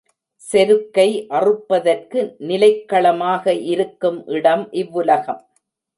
செருக்கை அறுப்பதற்கு நிலைக் களமாக இருக்கும் இடம் இவ்வுலகம்.